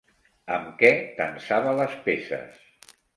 Amb què tensava les peces?